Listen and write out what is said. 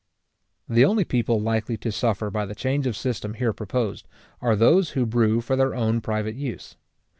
The only people likely to suffer by the change of system here proposed, are those who brew for their own private use.